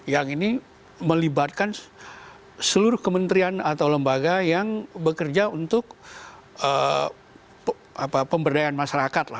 yang ini melibatkan seluruh kementerian atau lembaga yang bekerja untuk pemberdayaan masyarakat